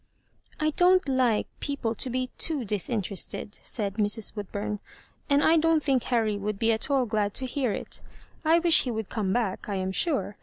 " I don't like people to be too disinterested," said Mrs. Woodbum ;" and I don't think Harry would be at all glad to hear it I wish he would come back, I am sure.